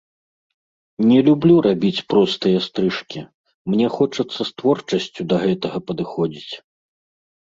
Не люблю рабіць простыя стрыжкі, мне хочацца з творчасцю да гэтага падыходзіць.